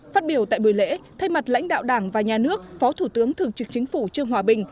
phát biểu tại buổi lễ thay mặt lãnh đạo đảng và nhà nước phó thủ tướng thường trực chính phủ trương hòa bình